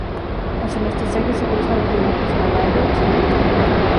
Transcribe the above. En su mestizaje se cruzan los linajes malayo, chino y español.